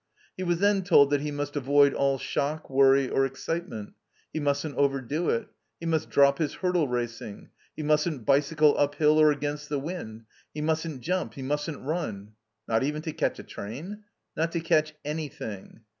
He was then told that he must avoid all shock, worry, or excitement. He mustn't overdo it. He must drop his hurdle racing. He mustn't bicycle uphill, or against the wind; he mustn't jtunp; he mustn't run — "Not even to catch a train?" "Not to catch anything."